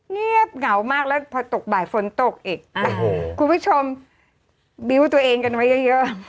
เงียบเหงามากแล้วพอตกบ่ายฝนตกอีกคุณผู้ชมบิ้วตัวเองกันไว้เยอะ